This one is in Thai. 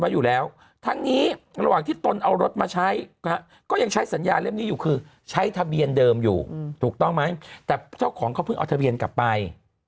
อยู่ถูกต้องไหมแต่เท่าของเขาก็เอาทะเบียนกลับไป